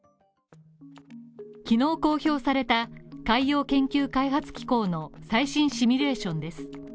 昨日公表された海洋研究開発機構の最新シミュレーションです。